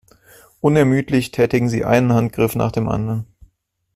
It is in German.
Unermüdlich tätigen sie einen Handgriff nach dem anderen.